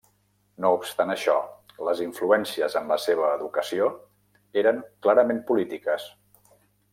No obstant això, les influències en la seva educació eren clarament polítiques.